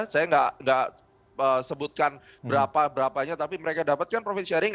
saya nggak sebutkan berapa berapanya tapi mereka dapatkan profit sharing